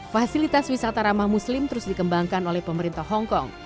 fasilitas wisata ramah muslim terus dikembangkan oleh pemerintah hongkong